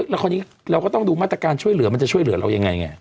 เราก็ต้องดูมาตรการช่วยเหลือมันจะช่วยเหลือเรายังไงไง